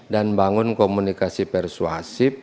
dan bangun komunikasi persuasif